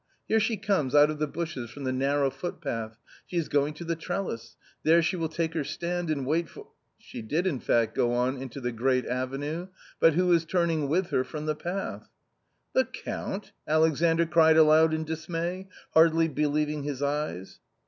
! here she comes out of the bushes from the narrow footpath, she is going to the trellis, there she will take her stand and wait for. ..." She did in fact go on into the great avenue .... but who is turning with her from the path ?" The Count !" Alexandr cried aloud in dismay, hardly believing his eyes.